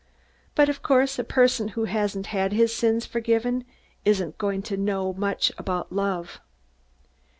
But, of course, a person who hasn't had his sins forgiven isn't going to know much about love."